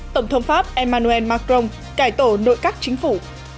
tổng thống pháp emmanuel macron cải tổ nội các chính phủ